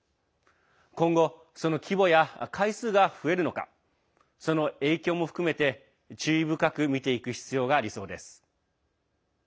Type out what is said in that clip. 今後その規模や回数が増えるのかその影響も含めて、注意深く見ていく必要がありそうです。